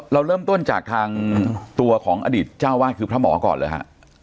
เราเริ่มต้นจากทางตัวของอดีตเจ้าวาดคือพระหมอก่อนเลยฮะ